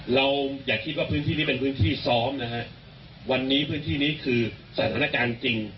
อย่าคิดว่าพื้นที่นี้เป็นพื้นที่ซ้อมนะฮะวันนี้พื้นที่นี้คือสถานการณ์จริง